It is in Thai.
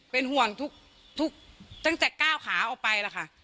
เป็นห่วงทุกตั้งแต่ก้าวขาออกไปล่ะค่ะ